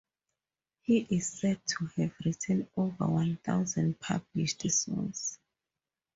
He is said to have written over one thousand published songs.